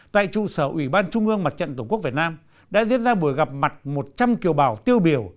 tại trụ sở ủy ban trung ương mặt trận tổ quốc việt nam đã diễn ra buổi gặp mặt một trăm linh kiều bào tiêu biểu